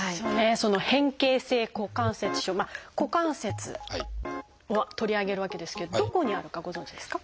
その「変形性股関節症」「股関節」を取り上げるわけですけどどこにあるかご存じですか？